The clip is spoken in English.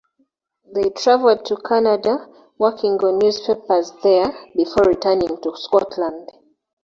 They travelled to Canada, working on newspapers there, before returning to Scotland.